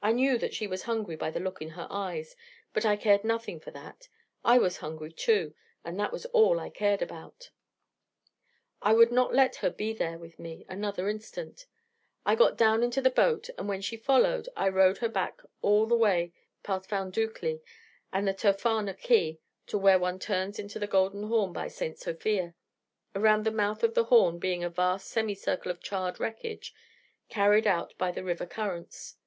I knew that she was hungry by the look in her eyes: but I cared nothing for that. I was hungry, too: and that was all I cared about. I would not let her be there with me another instant. I got down into the boat, and when she followed, I rowed her back all the way past Foundoucli and the Tophana quay to where one turns into the Golden Horn by St. Sophia, around the mouth of the Horn being a vast semicircle of charred wreckage, carried out by the river currents.